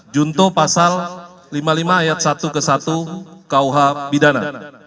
junto pasal lima puluh lima ayat satu ke satu kuh bidana